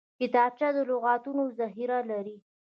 کتابچه د لغتونو ذخیره لري